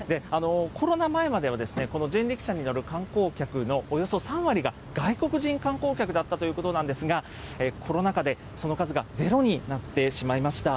コロナ前まではこの人力車に乗る観光客のおよそ３割が、外国人観光客だったということなんですが、コロナ禍でその数がゼロになってしまいました。